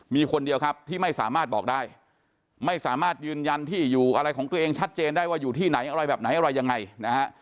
มีคนเดียวครับที่ไม่สามารถบอกได้ไม่สามารถยืนยันที่อยู่อะไรของตัวเองชัดเจนได้ว่าอยู่ที่ไหนอะไรแบบไหนอะไรยังไงนะฮะ